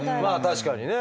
確かにね。